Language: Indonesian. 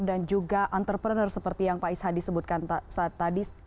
dan juga entrepreneur seperti yang pak is hadi sebutkan tadi